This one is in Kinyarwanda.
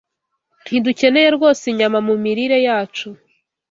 Ntidukeneye rwose inyamamu mirire yacu